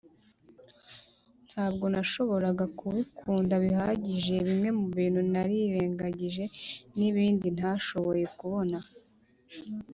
ntabwo nashoboraga kubikunda bihagije.bimwe mubintu narirengagije, nibindi ntashoboye kubona.